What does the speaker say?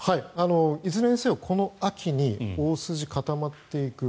いずれにせよこの秋に大筋が固まっていく。